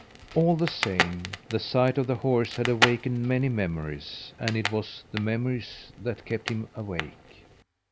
All the same, the sight of the horse had awakened many, memories and it was the memories that kept him awake.